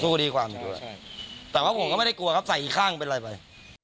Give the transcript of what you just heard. สู้คดีความอยู่แต่ผมก็ไม่ได้กลัวครับใส่อีกข้างเป็นไรไป